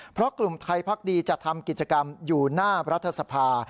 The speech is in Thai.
เพราะกลุ่มไทยพักดีจะทำกิจกรรมอยู่หน้ารัฐสภา